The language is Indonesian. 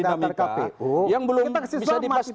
itu ada dinamika dinamika yang belum bisa dipastikan